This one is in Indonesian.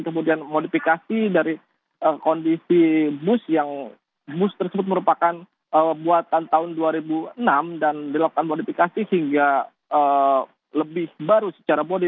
kemudian modifikasi dari kondisi bus yang bus tersebut merupakan buatan tahun dua ribu enam dan dilakukan modifikasi hingga lebih baru secara bodi